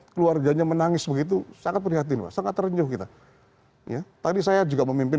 keluarganya menangis begitu sangat prihatin sangat terenyuh kita ya tadi saya juga memimpin